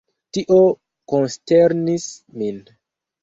Tio konsternis min.